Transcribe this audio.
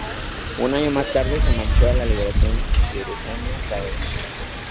Un año más tarde se marchó al Liberación jerezano cadete.